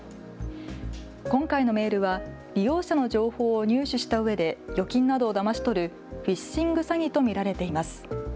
今回のメールは利用者の情報を入手したうえで預金などをだまし取るフィッシング詐欺と見られています。